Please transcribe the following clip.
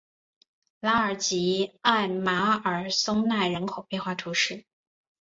拉尔吉艾马尔松奈人口变化图示